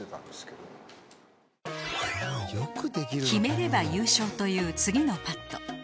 決めれば優勝という次のパット。